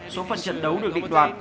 số phận trận đấu được định đoạt